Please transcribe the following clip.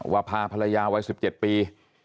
พาภรรยาวัย๑๗ปี